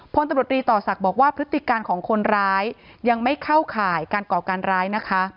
พลตำรวจรีต่อศักดิ์บอกว่าพฤติการของคนร้ายยังไม่เข้าข่ายการก่อการร้ายนะคะ